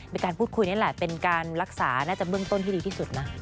เป็นการพูดคุยนี่แหละเป็นการรักษาน่าจะเบื้องต้นที่ดีที่สุดนะ